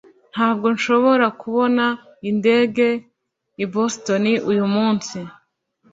ntabwo nshobora kubona indege i boston uyu munsi